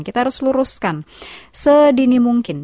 kita harus luruskan sedini mungkin